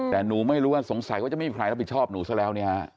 แต่หนูไม่รู้ว่าสงสัยว่าจะไม่มีใครรับผิดชอบหนูซะแล้วเนี่ยฮะ